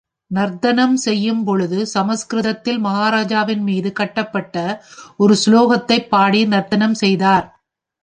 நர்த்தனம் செய்யும் பொழுது, சம்ஸ்கிருதத்தில் மஹாராஜாவின் மீது கட்டப்பட்ட ஒரு சுலோகத்தைப் பாடி நர்த்தனம் செய்தார்.